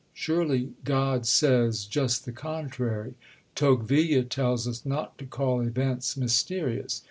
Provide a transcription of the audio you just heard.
Surely God says just the contrary. Tocqueville tells us not to call events "mysterious."